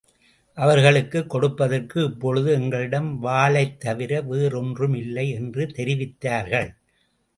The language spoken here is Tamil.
அவர்களுக்குக் கொடுப்பதற்கு இப்பொழுது எங்களிடம் வாளைத் தவிர வேறு ஒன்றும் இல்லை என்று தெரிவித்தார்கள்.